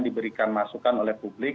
diberikan masukan oleh publik